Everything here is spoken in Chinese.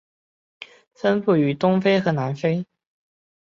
分布于东非和南非。